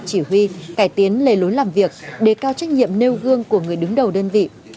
chỉ huy cải tiến lề lối làm việc đề cao trách nhiệm nêu gương của người đứng đầu đơn vị